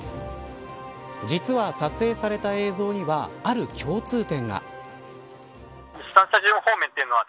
実は、撮影された映像にはある共通点が。